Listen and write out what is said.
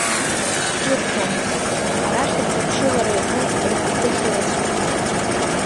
Ҿырҭуамызт, арахь рҿаԥшылара иаҳәон рҳәатәы шырацәаз.